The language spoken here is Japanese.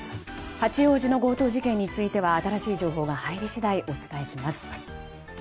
八王子の強盗事件については新しい情報が入り次第お伝えします。